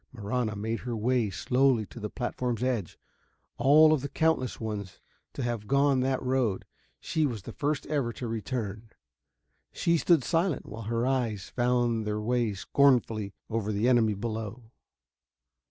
Marahna made her way slowly to the platform's edge. Of all the countless ones to have gone that road, she was the first ever to return. She stood silent, while her eyes found their way scornfully over the enemy below.